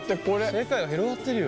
世界が広がってるよ。